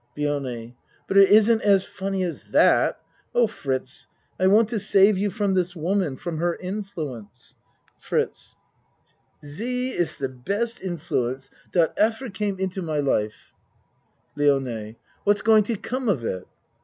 LIONE But it isn't as funny as that. Oh, Fritz, I want to save you from this woman, from her in fluence. FRITZ She iss de best influence dot efer came into 56 A MAN'S WORLD my life. LIONE What's going to come of it?